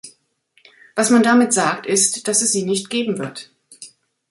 Was man damit sagt ist, dass es sie nicht geben wird.